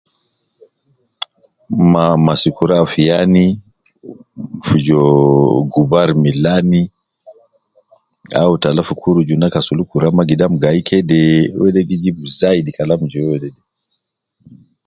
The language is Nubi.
Ma masi Kura fadi yani gi jua gubari milani au tala fi kuruju na kasul Kura ma gidam gai kede wede gi jib zaidi Kalam je wede